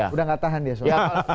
udah gak tahan di eso